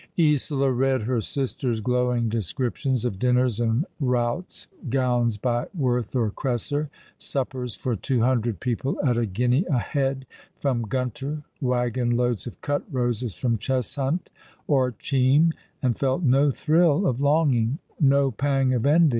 Isola read her sister's glowing descriptions of dinners and routs, gowns by Worth or Cresser, suppers for two hundred people at a guinea a head, from Gunter, waggon loads of cut roses from Cheshunt or Cheam, and felt no thrill of longing, no pang of envy.